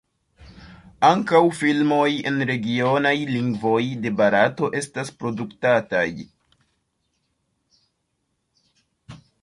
Ankaŭ filmoj en regionaj lingvoj de Barato estas produktataj.